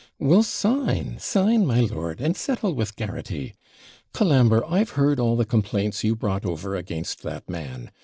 'Well, sign, sign, my lord, and settle with Garraghty. Colambre, I've heard all the complaints you brought over against that man.